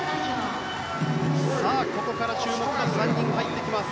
さあ、ここから注目の３人が入ってきます。